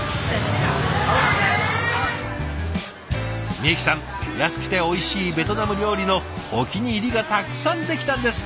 みゆきさん安くておいしいベトナム料理のお気に入りがたくさんできたんですって！